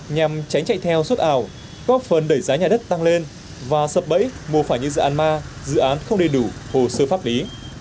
nhằm tránh chạy theo xuất ảo góp phần đẩy giá nhà đất tăng lên và sập bẫy mua phải như dự án ma dự án không đầy đủ hồ sơ pháp lý